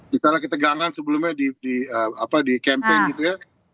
misalnya ketegangan sebelumnya di campaign gitu ya